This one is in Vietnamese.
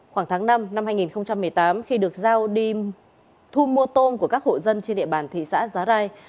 khoảng tháng năm năm hai nghìn một mươi tám khi được giao đi thu mua tôm của các hộ dân trên địa bàn thị xã giá rai